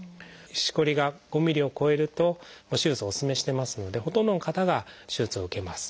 しこりが５ｍｍを超えるともう手術をお勧めしてますのでほとんどの方が手術を受けます。